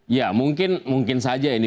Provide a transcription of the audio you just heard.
ya mungkin mungkin saja ini